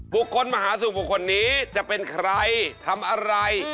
บุคคลมหาสนุกบุคคลนี้จะเป็นใครทำอะไร